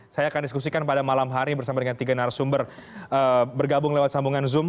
saya akan diskusikan pada malam hari bersama dengan tiga narasumber bergabung lewat sambungan zoom